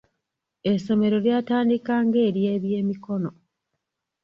Essomero lyatandika nga ery'ebyemikono.